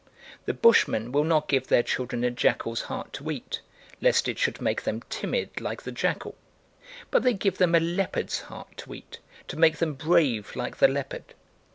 The Bushmen will not give their children a jackal's heart to eat, lest it should make them timid like the jackal; but they give them a leopard's heart to eat to make them brave like the leopard.